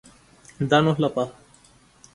danos la paz.